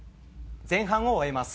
前半を終えます。